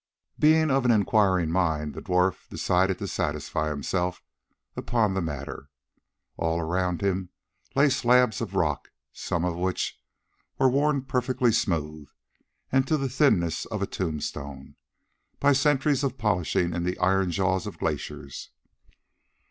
Being of an inquiring mind, the dwarf decided to satisfy himself upon the matter. All around him lay slabs of rock, some of which were worn perfectly smooth and to the thinness of a tombstone, by centuries of polishing in the iron jaws of glaciers.